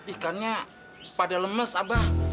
ikannya pada lemes abah